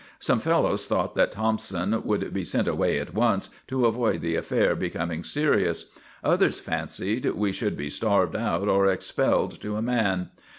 Some fellows thought that Thompson would be sent away at once, to avoid the affair becoming serious; others fancied we should be starved out or expelled to a man.